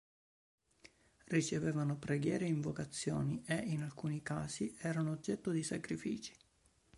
Ricevevano preghiere e invocazioni e, in alcuni casi, erano oggetto di sacrifici.